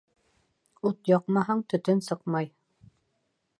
Ут яҡмаһаң, төтөн сыҡмай.